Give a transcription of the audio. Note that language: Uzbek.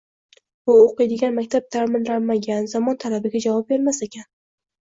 u o‘qiydigan maktab ta’mirlanmagan, zamon talabiga javob bermas ekan.